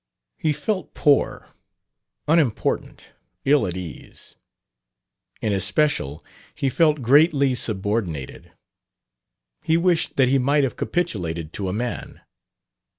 He felt poor, unimportant, ill at ease. In especial, he felt greatly subordinated; he wished that he might have capitulated to a man.